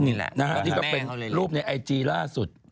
นี่แหละนะฮะนี่ก็เป็นรูปในไอจีล่าสุด